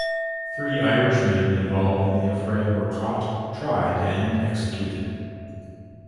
Three Irishmen involved in the affray were caught, tried and executed.